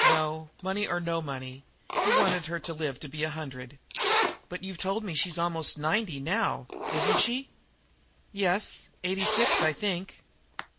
No, money or no money, he wanted her to live to be a hundred. "But you've told me she's almost ninety now! Isn't she?" "Yes, eighty six, I think."